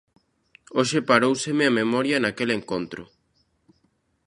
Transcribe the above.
Hoxe paróuseme a memoria naquel encontro.